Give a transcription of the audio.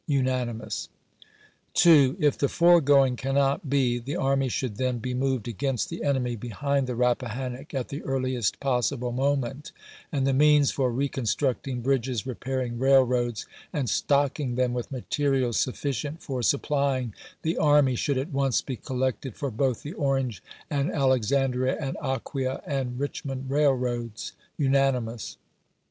(Unanimous.) II. If the foregoing cannot be, the army should then be moved against the enemy behind the Rappahannock at the earliest possible moment, and the means for re constructing bridges, repairing railroads, and stocking them with materials sufficient for supplying the army should at once be collected for both the Orange and Alex andria and Aquia and Richmond railroads. (Unanimous.)